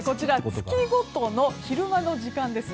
月ごとの昼間の時間です。